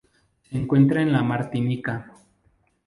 Se encuentra en la Martinica.